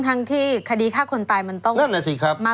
ทั้งที่คดีฆ่าคนตายมันต้องมากกว่าดีนั่นแน่น่ะสิครับ